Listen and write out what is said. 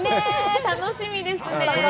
楽しみですね。